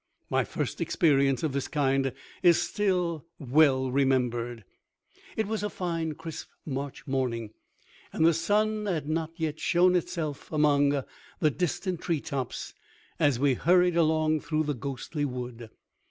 My first experience of this kind is still well remembered. It was a fine crisp March morning, and the sun had not yet shown himself among the distant tree tops as we hurried along through the ghostly wood.